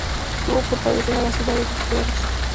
Tuvo por cabecera a la ciudad de Túquerres.